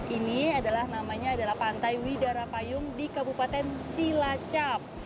ini adalah namanya adalah pantai widara payung di kabupaten cilacap